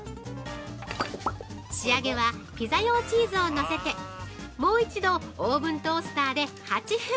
仕上げはピザ用チーズをのせてもう一度オーブントースターで８分。